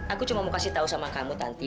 aku cuma mau kasih tahu sama kamu nanti